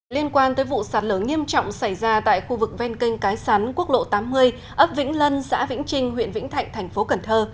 liên quan tới vụ sạt lở nghiêm trọng xảy ra tại khu vực ven kênh cái sắn quốc lộ tám mươi ấp vĩnh lân xã vĩnh trinh huyện vĩnh thạnh thành phố cần thơ